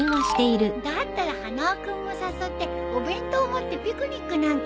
だったら花輪君も誘ってお弁当持ってピクニックなんてどう？